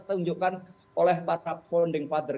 tunjukkan oleh founding father